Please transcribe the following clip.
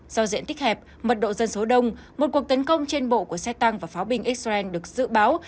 do diện tích hẹp mật độ dân số đông một cuộc tấn công trên bộ của xe tăng và pháo binh xrn được dự báo